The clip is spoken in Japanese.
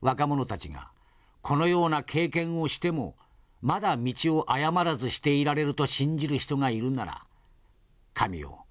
若者たちがこのような経験をしてもまだ道を誤らずしていられると信じる人がいるなら神よ！